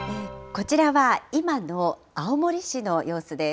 こちらは今の青森市の様子です。